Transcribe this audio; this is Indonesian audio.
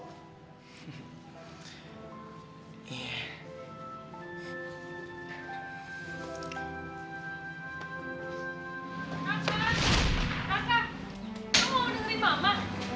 kamu mau dengerin mama